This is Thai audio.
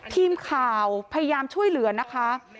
ทีมข่าวพยายามช่วยเหลือนะคะ